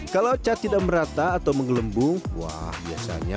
kalau cat tidak merata atau menggelembung wah biasanya